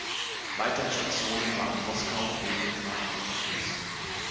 Weitere Stationen waren Moskau, Leningrad und Paris.